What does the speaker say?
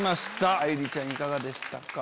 愛梨ちゃんいかがでしたか？